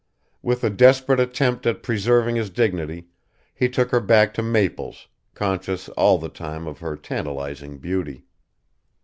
With a desperate attempt at preserving his dignity he took her back to Maple's, conscious all the time, of her tantalising beauty.